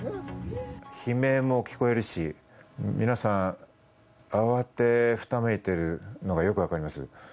悲鳴も聞こえるし、皆さん慌てふためいているのがよく分かります。